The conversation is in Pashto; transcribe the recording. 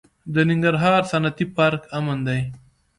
د ننګرهار صنعتي پارک امن دی؟